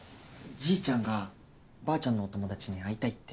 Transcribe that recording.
じいちゃんがばあちゃんのお友達に会いたいって。